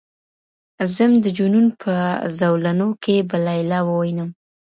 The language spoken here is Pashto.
ځم د جنون په زولنو کي به لیلا ووینم